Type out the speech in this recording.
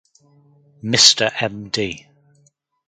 Mister Md.